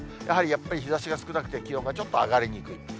やはりやっぱり日ざしが少なくて気温がちょっと上がりにくい。